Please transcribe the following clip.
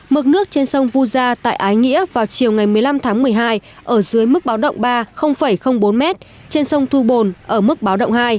mực nước trên sông vu gia tại ái nghĩa vào chiều ngày một mươi năm tháng một mươi hai ở dưới mức báo động ba bốn m trên sông thu bồn ở mức báo động hai